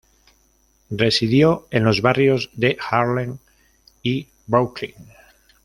Residió en los barrios de Harlem y Brooklyn.